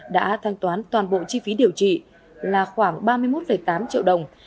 đã thanh toán toàn bộ chi phí điều trị là khoảng ba mươi một tám triệu đồng